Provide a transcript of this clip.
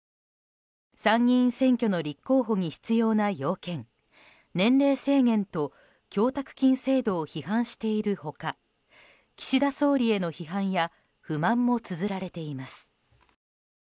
参議院選挙の立候補に必要な要件年齢制限と供託金制度を批判している他岸田総理への批判や不満もつづられています。